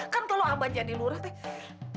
kan kalau abah jadi lurah teh